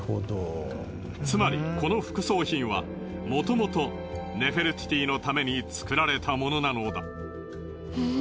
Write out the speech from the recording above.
つまりこの副葬品はもともとネフェルティティのために作られたものなのだ。